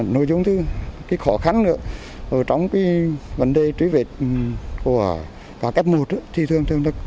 nội dung thứ khó khăn nữa trong cái vấn đề truy vết của cấp một thì thường thường là